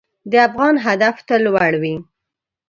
د افغان هدف تل لوړ وي.